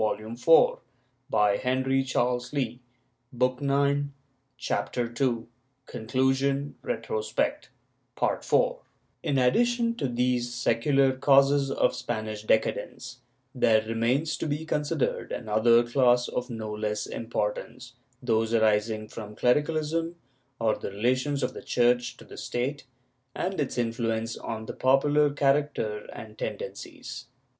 This, I believe, has never been printed. My copy is in MS. 488 RETROSPECT [Book IX In addition to these secular causes of Spanish decadence, there remains to be considered another class of no less importance — those arising from clericalism, or the relations of the Church to the State, and its influence on the popular character and tendencies.